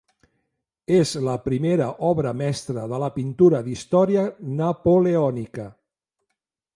És la primera obra mestra de la pintura d'història napoleònica.